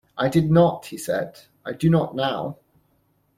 "I did not," he said, "I do not now".